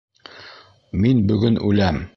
Мин бөгөн үләм.